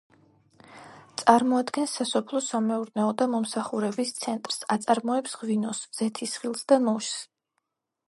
წარმოადგენს სასოფლო-სამეურნეო და მომსახურების ცენტრს, აწარმოებს ღვინოს, ზეთისხილს და ნუშს.